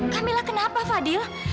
kamila kenapa fadil